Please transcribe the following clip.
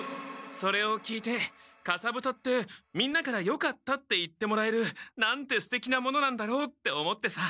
それを聞いてかさぶたってみんなから「よかった」って言ってもらえるなんてすてきなものなんだろうって思ってさ。